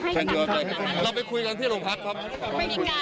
เป็นการกรณีลุกพื้นที่ฝากด้วย